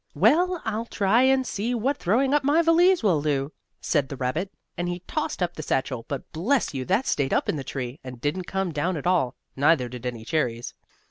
"Well, I'll try and see what throwing up my valise will do," said the rabbit, and he tossed up the satchel, but bless you, that stayed up in the tree, and didn't come down at all, neither did any cherries.